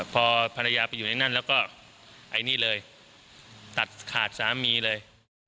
พอภรรยาไปอยู่ในนั้นแล้วก็ไอ้นี่เลยตัดขาดสามีเลย